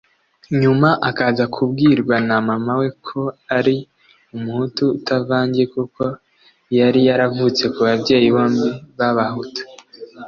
nyuma akaza kubwirwa na mama we ko ari Umuhutu utavangiye kuko yari yaravutse ku babyeyi bombi b’Abahutu